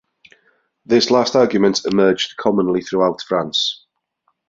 This last argument emerged commonly throughout France.